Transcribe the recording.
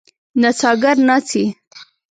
نڅاګر ناڅي.